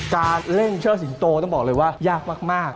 การเล่นเชิดสิงโตต้องบอกเลยว่ายากมาก